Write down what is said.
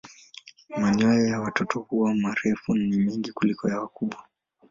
Manyoya ya watoto huwa marefu na mengi kuliko ya wakubwa.